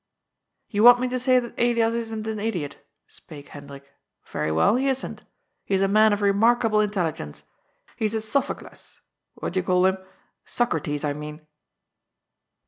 '' Ton want me to say that Elias isn't an idiot," spake Hendrik. " Very well ; he isn't He is a man of remark able intelligence. He is a Sophocles — what d'ye call 'im ?— Socrates, I mean."